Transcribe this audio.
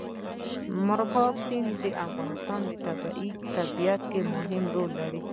مورغاب سیند د افغانستان په طبیعت کې مهم رول لري.